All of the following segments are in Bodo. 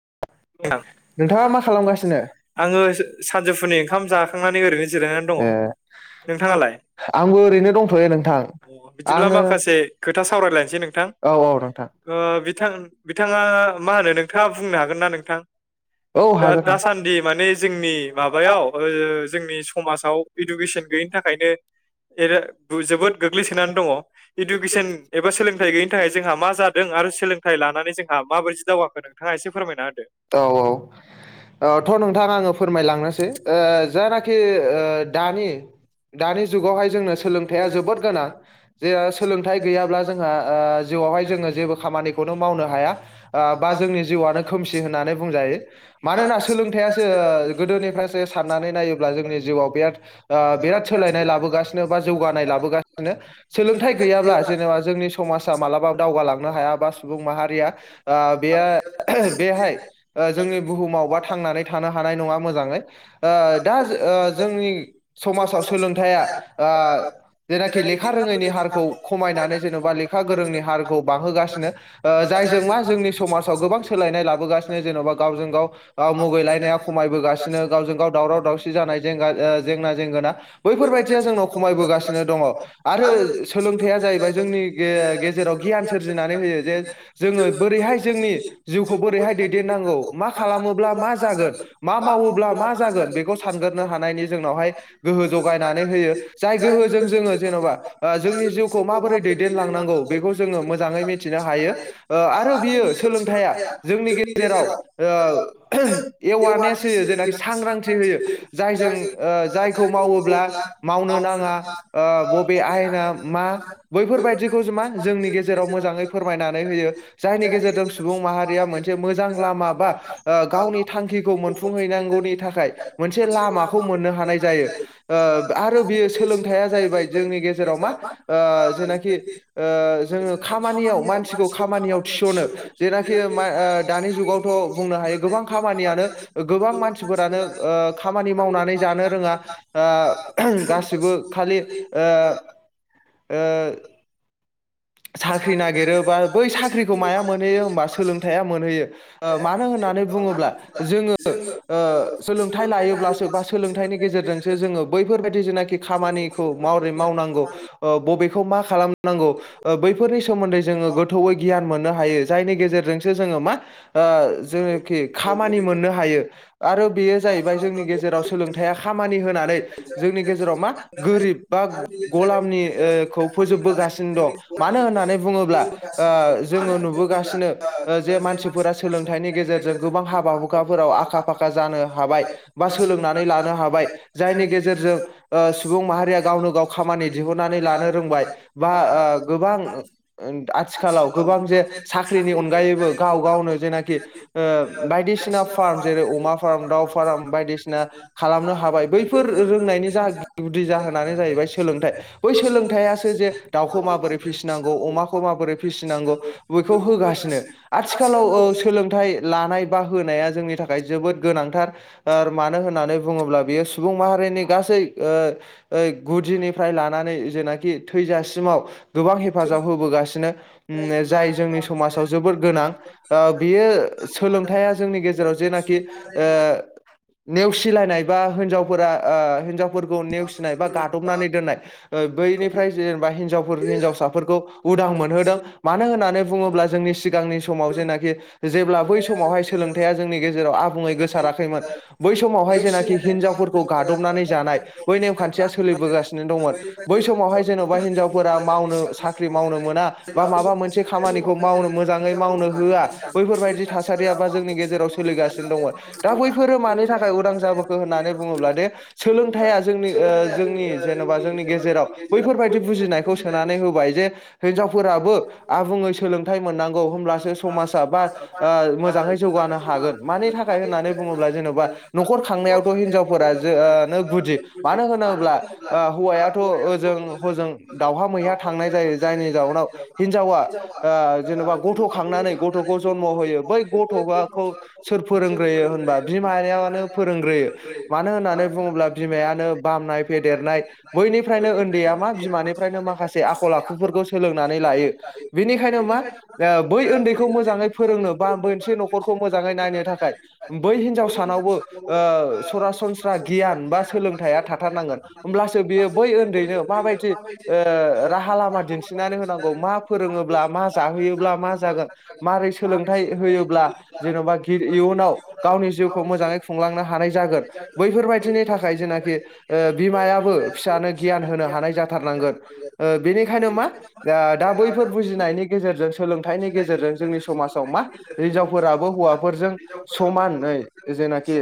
[unintelligible] आङो सानजौफुनि ओंखाम जाखांनानै ओरैनो जिरायनानै दङ नोंथाङालाय [unintelligible] बिदिब्ला माखासे खोथा सावरायलायसै नोंथां ओ बिथाङा मा होनो नोंथाङा बुंनो हागोन ना नोंथां? दा दासान्दि माने जोंनि माबायाव ओ जोंनि समाजाव इडुकेसन गैयिनि थाखायनो [unintelligible] जोबोद गोग्लैसोनानै दङ इडुकेसन एबा सोलोंथाइ गैयिनि थाखाय जोंहा मा जादों आरो सोलोंथाइ लानानै जोंहा माबायदि दावगाखोदों औ औ ओ थ' नोंथाङा आङो फोरमायलांनोसै ओ जायनाखि ओ दानि दानि जुगावहाय जोंनो सोलोंथाया जोबोद गोनां जे सोलोंथाय गैयाब्ला जोंहा आ जिउ आव हाय जेबो खामानि खौनौ मावनो हाया बा जोंनि जिउआनो खोमसि होननानै बुंजायो मानोना सोलोंथाइसो ओ गोदोनिफ्रायासो साननानै नायोब्ला जोंनि जिउआव बिराद ओ बिराद सोलायनाय लाबोगासिनो नो जौगानाय लाबोसिनो सोलोंथाइ गैयाब्ला जेनेबा जोंनि समाजा मालाबा दावगालांनो हाया बा सुबुं माहारिया आ बेयो बेहाय ओ जोंनि बुहुमाव बा थांनानै थानो हानाय नङा मोजाङै दा दा ओ जोंनि समाजाव सोलोंथाइया आ जेनाखि लेखा रोङैनि हारखौ खमायनानै जेन'बा लेखा गोरोंनि हारखौ बांहोगासिनो ओ जायजों मा जोंनि समाजाव गोबां सोलायनाय लाबोगासिनो जेन'बा गावजों गाव ओ मुगैलायनाया खमायबोगासिनो गावजों गाव दावराव दावसि जानाय जेंगा ओ जेंना जेंगोना बैफोरबायदिया जोंनाव ख बोगासिनो दङ आरो सोलोंथाइया जाहैबाय जोंनि गे गेजेराव गियान सोरजिनानै होयो जे जोङो बोरैहाय जोंनि खौ बोरैहाय दैदेननांगौ मा खालामोब्ला मा जागोन मा मावोब्ला मा जागोन बेखौ सानग्रोनो हानायनि जोंनावहाय गोहो जगायनानै होयो। जाय गोहोजों जोङो जेन'बा ओ जोंनि जिउखौ माबोरै दैदेनलांनांगौ बेखौ जोङो मोजाङै मिथिनो हायो ओ आरो बियो सोलोंथया जोंनि गेजेराव एवारनेस होयो जेखि सांग्रांथि होयो जायजों ओ जायखौ मावोब्ला मावनो नाङा ओ बबे आयेना मा बैफोरबायदिखौ जो मा जोंनि गेजेराव मोजाङै फोरमायनानै होयो जायनि गेजेरजों सुबुं माहा [unintelligible] मोनसे मोजां लामा बा ओ गावनि थांखिखौ मोनफुंहैनांगौनि थाखाय मोनसे लामाखौ मोननो हानाय जायो ओ आरो बियो सोलोंथाइया जाहैबाय जोंनि गेजेराव मा ओ जेनाखि ओ जोङो खामानियाव मानसिखौ खामानियाव थिसनो जेना के ओ मा ओ दानि जुगावथ' बुंनो हायो गोबां खामानियानो गोबां मानसिफोरानो ओ खामानि मावनानै जानो रोङा ओ गासिब बिबो खालि ओ ओ साख्रि नागिरोबा बै साख्रिखौ माया मोनहैयो होमबा सोलोंथायाइया मोनहैयो। ओ मानो होननानै बुङोब्ला जोङो ओ सोलोंथाइ लायोब्लासो बा सोलोंथाइनि गेजेरजोंसो जोङो बैफोरबायदि [unintelligible] खामानिखौै मावरै मावनांगौ ओ बबे खौ मा खालामनां खौ ओ बैफोरनि सोमोन्दै जोङो गोथौयै गियान मोननो हायो जायनि गेजेरजोंसो जोङो मा ओ जेनोखि खामानि मोननो हायो आरो बेयो जाहैबाय जोंनि गेजेराव सोलोंथायाइया खामानि होनानै जोंनि गेजेराव मा गोरिब बा गलामनिखौ फोजोबबोगासिनो दं। मानो होननानै बुङोब्ला ओह जोङो नुबोगासिनो ओ जे मानसिफोरा सोलोंथाइनि गेजेरजों गोबां हाबा हुखाफोराव आखा फाखा जा जानो हाबाय बा सोलोंनानै लानो हाबाय जायनि गेजेरजों ओ सुबुं माहारिया गावनो गाव खामानि दिहुननानै लानो रोंबाय बा ओ गोबां ओ ओ आथिखालाव गोबां जे साख्रिनि अनगायैबो गाव गावनो जेनाखि ओ बायदिसिना फार्म जेरै अमा फार्म दाउ फार्म बायदिसिना खालामनो हाबाय बैफोर रोंनायनि जा गुदि जाहोनानो जाहैबाय सोलोंथाइ बै सोलोंथायासो जे दाउखौ माबोरै फिसिनांगौ अमाखौ माबोरै फिसिनांगौ बेखौ होगासिनो आथिखालाव औ सोलोंथाइ लानाय बा होनाया जोंनि थाखाय जोबोद गोनांथार ओ मानो होननानै बुङोब्ला बियो सुबुं माहारिनि गासै ओ ओ गुदिनिफ्राय लानानै जेनाखि थैजासिमाव गोबां हेफाजाब होबोगासिनो उम जाय जोंनि समाजाव जोबोद गोनां ओ बियो सोलोंथाया जोंनि गेजेराव जेनाखि ओ नेवसिलायनाय बा होनजावफोरा ओह हिनजाव फोरखौ नेवसिनाय बा गादबनानै दोननाय ओ बैनिफ्राय जेनबा हिन्जावफोर हिनजावसाफोरखौ उदां मोनहोदों मानो होननानै बुङोब्ला जोंनि सिग सिगांनि समाव जेनाखि जेब्ला बै समावहाय सोलोंथाइया जोंनि गेजेराव आब गोसाराखैमोन बै समावहाय जेनाखि हिनजावफोरखौ गादबनानै जानाय बै नेमखान्थिया सोलिबोगासिनो दंमोन बै समावहाय जेनबा हिनजावफोरा मावनो साख्रि मावनो मोना बा माबा मोनसे खामानिखौ मावनो मोजाङै मावनो होआ बैफोरबायदि थासारियाबा जोंनि गेजेराव सोलिगासिनो दं। दा बैफोरो मानि थाखाय उदां जाबोखो होननानै बुङोब्ला दे सोलोंथाया जोंनि ओह जोंनि जेनेबा जोंनि गेजेराव बैफोरबायदि बुजिनायखौ होनानै होबाय जे हेनजब फोराबो आबुङै सोलों मोनांगौ होमब्लासो समाजा बा ओ मोजाङै जौगानो हागोन मानि थाखाय होननानै बुङोब्ला जेनबा नखर खांनायावथ हिनजावफोरा जो ओनो गुदि मानो होनोब्ला ओ हौवायाथ ओजों हजों दावहा मैहा थांनाय जायो जायनि जाउनाव हिनजावा ओह जेनेबा गथ खांनानै गथखौ जन्म होयो बै गथ आखौ सोर फोरोंग्रोयो होनबा बिमायानो फोरोंग्रोयो मानो होननानै बुङोब्ला बिमायानो बामनाय फेदेरनाय बैनिफ्रायनो ओन्दैया मा बिमानि निखायनो माखासे आखल आखुफोरखौ सोलोंनानै लायो बेनिखायनो मा बै ओन्दैखौ मोजाङै फोरोंनो बा मोन मोनसे नखरखौ मोजाङै नायनो थाखाय बै हिनजाव सानावबो ओह सरासनस्रा गियान बा सोलोंथाइया थाथारनांगोन होमब्लासो बियो बै ओन्दैनो माबायदि ओह राहा लामा दिन्थिनानै होनांगौ मा फोरोङोब्ला मा जाहोयोब्ला मा जागोन मारै सोलोंथाइ होयोब्ला जेनबा गिद इयुनाव गावनि जिउखौ मोजाङै खुंलांनो हानाय जागोन बैफोरबायदिनि थाखाय जेनाखि बिमायाबो फिसानो गियान होनो हानाय जाथारनांगोन। ओ बेनिखायनो मा दा दा बैफोर बुजिनायनि गेजेरजों सोलोंथाइनि गेजेरजों जोंनि समाजाव मा हिनजावफोराबो हौवाफोरजों समानै जेनाखि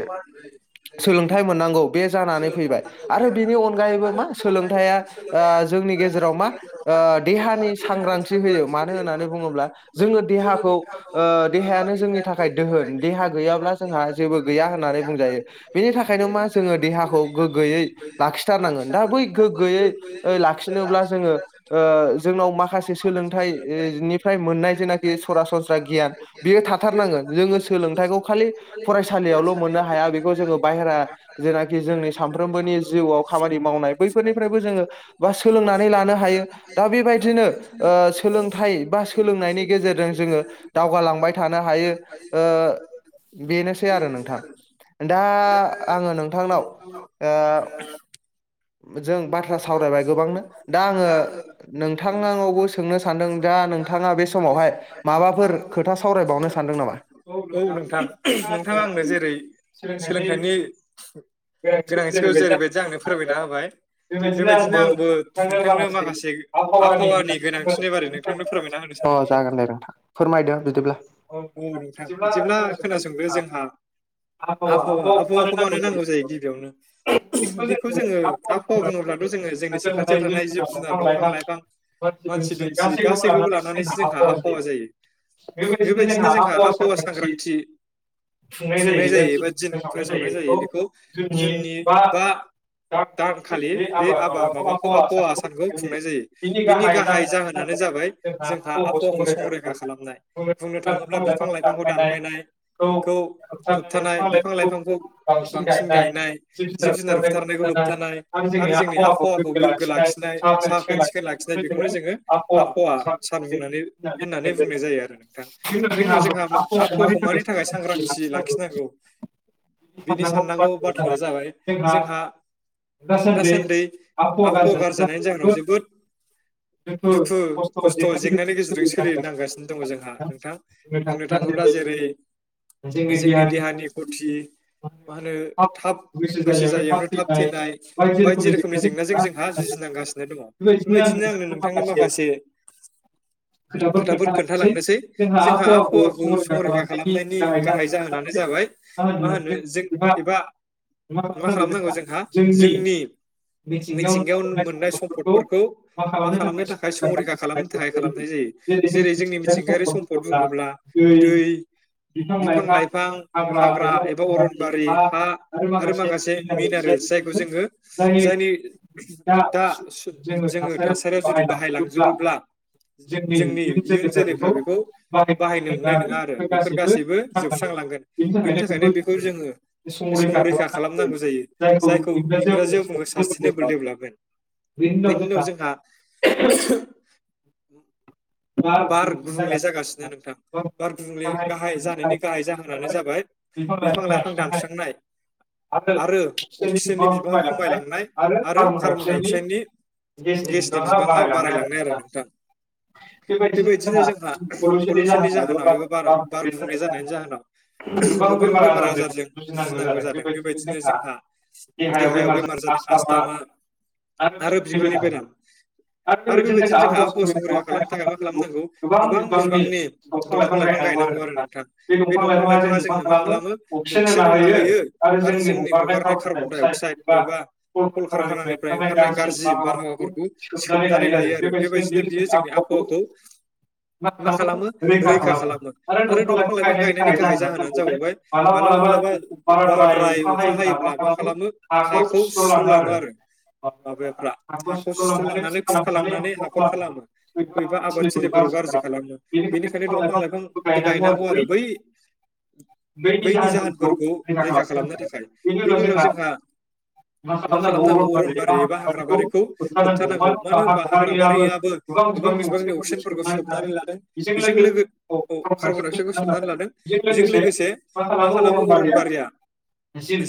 सोलोंथाइ मोनांगौ बे जानानै फैबाय आरो बेनि अनगायैबो मा सोलोंथाया ओह जोंनि गेजेराव मा ओ देहानि सांग्रांथि होयो मानो होन होननानै बुङोब्ला जोङो देहाखौ ओ देहायानो जोंनि थाखाय दोहोन। देहा गैयाब्ला जोंहा जेबो गैया होन्नानै बुंजायो। बेनि थाखायनो मा जोङो देहाखौ गोगोयै लाखिथारनांगोन। दा बै गोग्गोयै ओ लाखि होनोब्ला जोङो ओ जोंनाव माखासे सोलोंथाय ओ निफ्राय मोननाय जेनाखि सरासनस्रा गियान बेयो थाथारनांगोन। जोङो सोलोंथाइखौ खालि फरायसालियावल' मोननो हाया, बेखौ जोङो बायहेरा जेनाखि जोंनि सानफ्रबोनि जिउआव खामानि मावनाय बैफोरनिफ्रायबो जोङो बा सोलोंनानै लानो हायो। दा बेबायदिनो ओ सोलोंथाय बा सोलोंनायनि गेजेरजों जोङो दावगालांबाय थानो हायो ओ बेनोसै आरो नोंथां। दा आङो नोंथांनाव ओ जों बाथ्रा सावरायबाय गोबांनो। दा आङो नोंथांनावबो सोंनो सानदों दा औ नोंथां, नोंथाङा आंनो जेरै सोलोंथाइनि गोनांथिखौ जेरैबायदि आंनो फोरमायना होबाय। बेबायदिनो आंबो [unintelligible] माखासे आबहावानि गोनांथिनिबो [unintelligible] फोरमायना होनो सानदों औ नोंथां बिदिब्ला खोनासंदो। जोंहा आबहावा आबहावाखौ मानो नांगौ जायो गिबियावनो, बेखौ जोङो आबहावा बुङोब्लाथ' जोङो जोंनि [unintelligible] साफ्रोम दफां लाइफां, मानसि दुमसि गासैबो खौबो लानानैसो जोंहा आबहावा जायो। बेबायदिनो जोंहा आबहावा सांग्रांथि खुंनाय जायो एबा दिन फोसावनाय जायो बेखौ जुननि बा दानखालि बे आबा माबा खौ आबहावा सानखौ खुंनाय जायो बेनि गाहाइ जाहोनानो जाबाय जोंहा आबहावाखौ संरैखा खालामनाय, बुंनो थाङोब्ला बिफां लाइफांखौ दानफायनायखौ होबथानाय, बिफां लाइफांखौ बांसिन गायनाय, जिब जुनार बुथारनायखौ होबथानाय आरो जोंनि आबहावा खौ गोग्गो लाखिनाय, साखोन सिखोन लाखिनाय बेखौनो जोङो आबहावा सान बुंनानै होननानै बुंनाय जायो आरो नोंथां। बेनि उनाव जोंहा आबहावाखौ मानि थाखाय सांग्रांथि लाखिनांगौ बेनि साननांगौ बाथ्राया जाबाय जोंहा दासान्दै आबहावा गाज्रि जानायनि जाहोनाव जोबोद दुखु खस खस्थ' जेंनानि गेजेरजों सोलिनांगासिनो दङ जोंहा नोंथां, बुंनो थाङोब्ला जेरै जोंनि देहानि खथि मा होनो थाब बैसो जायो ओमफ्राय थाब थैनाय बायदि रोखोमनि जें जेंनाजों जोंहा जुजिनांगासिनो दंङ बेबायदिनो आंनो नोंथांनो माखासे खोथाफोर खोन्थालांनोसै जोंहा आबहावाखौ संरैखा खालामनायनि गाहाय जाहोनानो जाबाय मा होनो जों एबा मा खालामनांगौ जोंहा जोंनि मिथिंगायाव मोननाय सम्पदफोरखौ मा खालामनो थाखाय संरैखा खालामनो थाखाय खालामनाय जायो जेरै जोंनि मिथिंगायारि सम्फद बुंङोब्ला दै बिफां लाइफां हाग्रा एबा अरनबारि हा आरो माखासे मिनारेलस जायखौ जोंङो जायनि दा सु जोंङो थासारियाव जुदि बाहायलांजुबो ब्ला जोंनि इयुन जोलैफ्रा बेखौ बाहायनो मोननाय नोंङा आरो बेफोर गासैबो जोबस्रांलांगोन बेनि थाखायनो बेखौ जोंङो संरैखा खालामनांगौ जायो जायखौ इंराजियाव सास्टेनेबोल डेभेलपमेन्ट बेनि उनाव जोंहा उ बार गुबुंले जागासिनो नोंथां बार गुबुंले गाहाय जानायनि गाहाय जाहोनानो जाबाय बिफां लाइफां दानस्रांनाय आरो अक्सिजेननि बिबाङा खमायलांनाय आरो कार्बन डाइ अक्साइडनि गेसनि बिबाङा बारायलांनाय आरो नोंथां बेबायदिनो जोंहा पलिउसननि जाहोनाव एबा बार बारगुबुंलेनाय जानायनि जाहोनाव गोबां बेमार आजारजों बुजिनांगौ जादों बेबायदिनो जोंहा देहायाव बेमार जादों आसस्थामा आरो बिगुरनि बेराम आरो बेबायदिनो जोंहा आबहावा संग्रां खालाम थाखायबा खालामनांगौ गोबां बिबांनि दंफां लाइफां गायनांगौ आरो नोंथां बे दंफां लाइफाङा जोंनो मा खालामो अक्सिजेन होना होयो आरो जोंनि हगारनाय कार्बनडाइ अक्साइद एबा कलकारखानानिफ्राय ओंखारनाय गाज्रि बारहावाफोरखौ सोबनानै लायो आरो बेबायदिनो बि बे जोंनि आबहावाखौ मा खालामो रैखा खालामो आरो दंफां लाइफां गायनायनि गाहाय जाहोनानो जाबावबाय मालाबा मालाबा बाराद्राय अखा हायोब्ला मा खालामो हाखौ सुस्र'लाङो आरो माबायाफ्रा हाखौ सुस्र'लांनानै खुरख लांनानै हाखर खालामो। [inaudible] [unintelligible] फोरखौ गाज्रि खालामो बेनिखायनो दफां लाइफां गायनांगौ आरो बै बैनि जाहोनफोरखौ रैखा खालामनो थाखाय बेनि उनाव जोंहा मा खालामनांगौ अरन बारि एबा हाग्रा बारिखौ होबथानांगौ मानो होनबा हाग्रा बारियाबो गोबां बिबांनि अक्सिजेनफोरखौ सोब सोबनानै लादों बेजों कार्बनडाइ अक्साइदखौ सोबनानै लादों बेजों लोगोसे मा खालामो अरनबारिया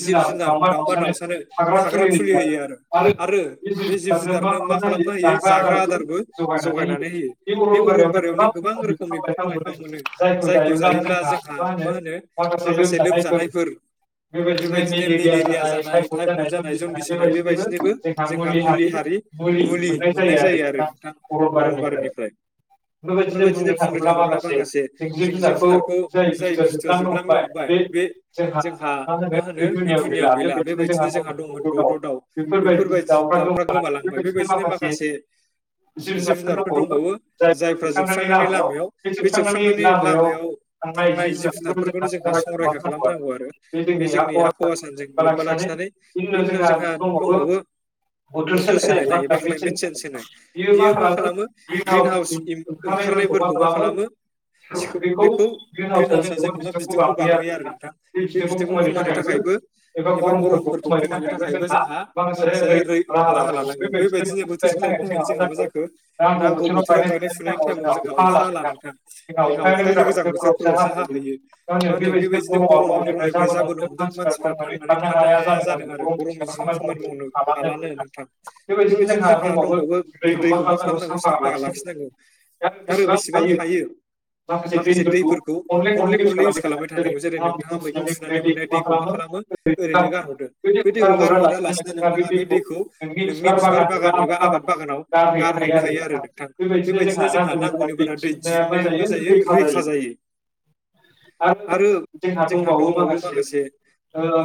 जिब जुनार दावमा दाउसानो थाग्रा खुलि होयो आरो आरो बे जिब जुनारनो मा खालामना होयो जाग्रा आदारबो जगायनानै [unintelligible] [unintelligible] बारियावनो गोबां रोखोमनि बिफां लाइफां मोनो जायखौ जायोब्ला जोंहा मा होनो माखासे लोमजानायफोर बेबायदिनो मेलेरिया जानाय टाइफयड जानाय जनडिस जानाय बेबायदिनोबो जोंहा मुलि हारि मुलि मोननाय जायो आरो नोंथां। अरनबारिनिफ्राय बेबायदिनो बुंनो थाङोब्ला माखासे जों जिब जुनारखौ जाय बुस्थुआ जोबलांनो हमबाय बे जोंहा मा होनो बे दुनियाव गैला बेबायदिनो जोंहा दंमोन द' द' दाउ बेफोरबायदि दाउफ्रा गोमालांबाय बेबायदिनो माखासे [unintelligible] जायफ्रा जोबस्रांनायनि लामायाव बे जोबस्रांनायनि लामायाव थांनाय जिब जुनारफोरखौनो जोंहा संरैखा खालामनांगौ आरो बे जोंनि आबहाव सानजों लोब्बा लाखिनानै बेनि उनाव जोंहा दंबावो बोथोर सोलायनाय एबा क्लाइमेट चेन्ज होनो बियो मा खालामो ग्रिन हाउस ओंखारनायफोरखौ मा खालामो सोब बेखौ ग्रिन हाउसआ जेनबा बिदुंखौ बांहोयो आरो नोंथां बे बिदुंखौ खमायनो थाखायबो एबा गरमफोरखौ खमायनो थाखायबो जोंहा माखासे रै राहा लानांगौ बेबायदिनो बोथोर सोलायनो जोंहा मा जाखो नांगौ बोथोराव गायनाय फुनायनि टाइमाव जोंहा अखा होला नोंथां जोंहा अखायानो गोजां बोथोरफोरावसो हाहैयो मा होनो बेबायदिनो गरमा गरमनिफ्राय जाबोनो हमदों मानसिफ्रा थांनानै थानो हाया जादों आरो गरमनि दिनाव खामानि मावनो हालानो नोंथां बेबायदिनो जोंहा दंबावो दैखौ मा खालामनांगौ साफा लाखिनांगौ। नांगौ आरो बेसेबां हायो माखासे दैफोरखौ खनले-खनले इउस खालामबाय थानांगौ जेरै नोंथाङा मैगं सुनानै मोननाय दैखौ मा खालामो ओरैनो गारहरदो बे दैखौ गारहरा लासेनो नोंथाङा बे दैखौ नोंनि बिबार बागान एबा आबाद बागानाव गारहैनो हायो आरो नोंथां बेबादि बेबायदिनो जोंहा नांगौनि बारा दै दिहुननाया मा जायो रैखा जायो आरो जोंहा दंबावो माखासे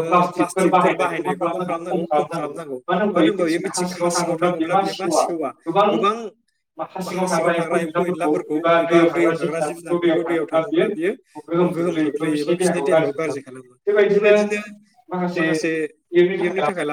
ओ प्लासटिकफोर बाहायनायखौ मा खालामनांगौ खम खालामनांगौ मानो होनबा बेयो मिथिंग हा सिङाव थाङोब्ला बियो मा सेव गोबां माखासे हा सिङाव थाग्रा एम्फौ एनलाफोरखौ एबा दैयाव थाग्रा जिब जुनारफोरखौ दैयाव थाङोब्ला बियो गोहोम खोख्लैयो एबा बिसोरनि देहाखौ गाज्रि खालामो बेबायदिनो माखासे इयुननि थाखाय ला